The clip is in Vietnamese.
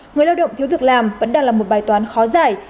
người lao động thiếu việc làm vẫn đang là một bài toán khó giải